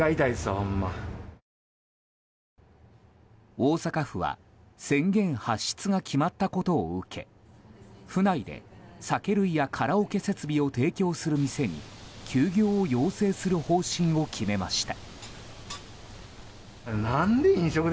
大阪府は宣言発出が決まったことを受け府内で酒類やカラオケ設備を提供する店に休業を要請する方針を決めました。